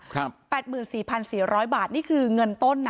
แปดหมื่นสี่พันสี่สี่ร้อยบาทนี่คือเงินต้นนะ